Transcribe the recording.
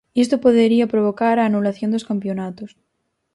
Isto podería provocar a anulación dos campionatos.